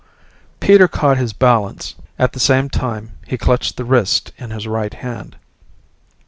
Peter caught his balance at the same time he clutched the wrist in his right hand.